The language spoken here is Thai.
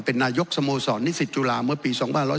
เป็นนายกสโมสรนิสิตจุฬาเมื่อปี๒๕๖๒